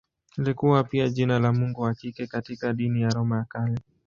Lilikuwa pia jina la mungu wa kike katika dini ya Roma ya Kale.